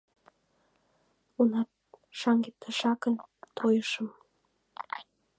Уна, шаҥге тышакын тойышым...